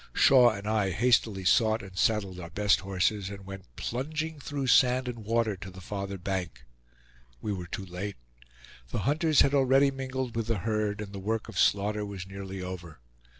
Shaw and I hastily sought and saddled our best horses, and went plunging through sand and water to the farther bank. We were too late. The hunters had already mingled with the herd, and the work of slaughter was nearly over.